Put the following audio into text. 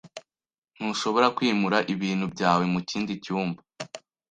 Ntushobora kwimura ibintu byawe mukindi cyumba?